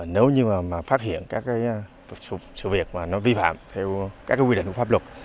nếu như mà phát hiện các sự việc mà nó vi phạm theo các quy định của pháp luật